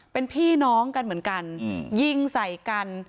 เป็นพี่น้องกันเหมือนกันยิงใส่กัน